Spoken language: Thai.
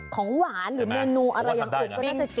ของหวานหรือเมนูอะไรอย่างอื่นก็น่าจะชิม